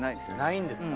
ないんですか。